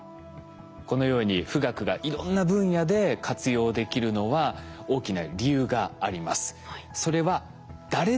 このように富岳がいろんな分野で活用できるのは大きな理由があります。